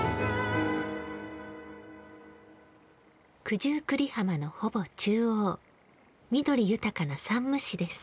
九十九里のほぼ中央、緑豊かな山武市です。